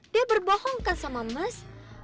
dia berbohong kan sama mas